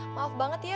maaf banget ya